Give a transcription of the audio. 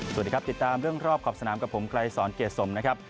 สวัสดีครับติดตามเรื่องรอบขอบสนามกับผมไกรสอนเกียรติสมนะครับ